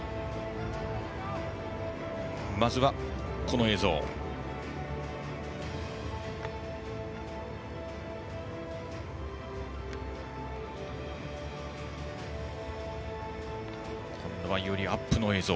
まずはこの映像。よりアップの映像。